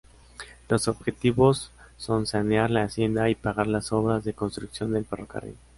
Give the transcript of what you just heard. Los objetivos son sanear la hacienda y pagar las obras de construcción del ferrocarril.